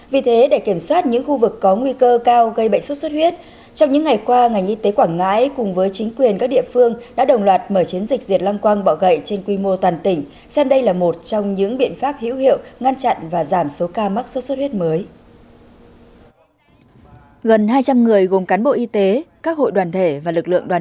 vì thế để kiểm soát những khu vực có nguy cơ cao gây bệnh sốt xuất huyết trong những ngày qua ngành y tế quảng ngãi cùng với chính quyền các địa phương đã đồng loạt mở chiến dịch diệt lăng quang bọ gậy trên quy mô toàn tỉnh xem đây là một trong những biện pháp hữu hiệu ngăn chặn và giảm số ca mắc sốt xuất huyết mới